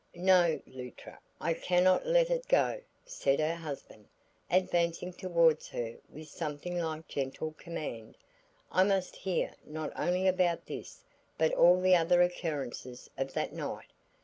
"No, Luttra I cannot let it go," said her husband, advancing towards her with something like gentle command. "I must hear not only about this but all the other occurrences of that night.